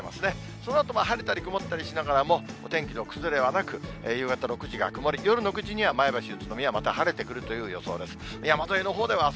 そのあとも晴れたり曇ったりしながらも、お天気の崩れはなく、夕方６時が曇り、夜の９時には前橋、宇都宮、また晴れてくるという予想です。